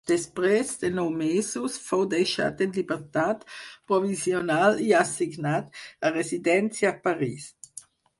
Després de nou mesos fou deixat en llibertat provisional i assignat a residència a París.